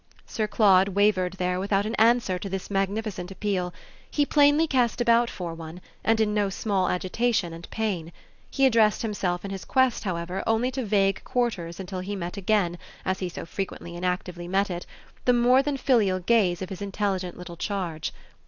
Sir Claude wavered there without an answer to this magnificent appeal; he plainly cast about for one, and in no small agitation and pain. He addressed himself in his quest, however, only to vague quarters until he met again, as he so frequently and actively met it, the more than filial gaze of his intelligent little charge.